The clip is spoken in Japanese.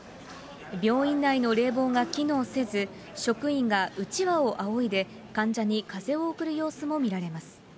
病院内の冷房が機能せず、職員がうちわをあおいで、患者に風を送る様子も見られます。